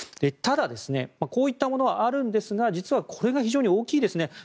ただこういったものはあるんですが実はこれが非常に大きいですね。